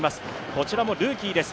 こちらもルーキーです。